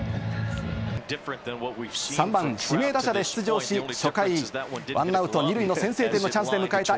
３番・指名打者で出場し、初回、１アウト２塁の先制点のチャンスで迎えた